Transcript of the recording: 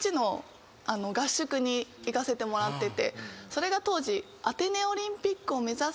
それが当時。